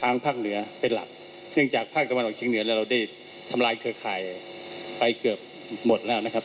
ภาคเหนือเป็นหลักเนื่องจากภาคตะวันออกเชียงเหนือแล้วเราได้ทำลายเครือข่ายไปเกือบหมดแล้วนะครับ